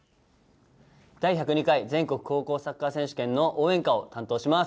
第１０２回全国高校サッカー選手権の応援歌を担当します